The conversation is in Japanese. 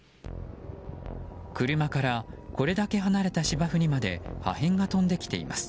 車からこれだけ離れた芝生にまで破片が飛んできています。